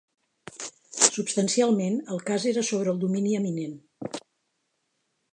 Substancialment, el cas era sobre el domini eminent.